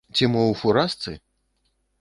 Ці мо ў фуражцы?